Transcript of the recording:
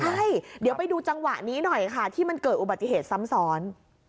ใช่เดี๋ยวไปดูจังหวะนี้หน่อยค่ะที่มันเกิดอุบัติเหตุซ้ำซ้อน